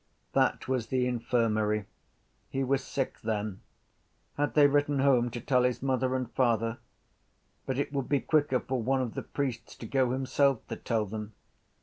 That was the infirmary. He was sick then. Had they written home to tell his mother and father? But it would be quicker for one of the priests to go himself to tell them.